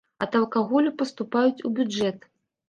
Ад алкаголю паступаюць у бюджэт.